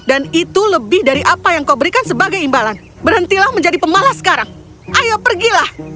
itu lebih dari apa yang kau berikan sebagai imbalan berhentilah menjadi pemalas sekarang ayo pergilah